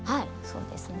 そうですね。